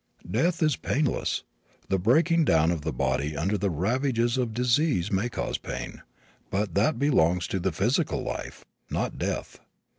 Death is painless. The breaking down of the body under the ravages of disease may cause pain, but that belongs to physical life, not death.